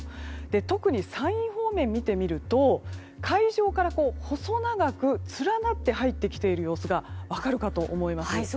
特に山陰方面を見てみると海上から細長く連なって入ってきている様子が分かるかと思います。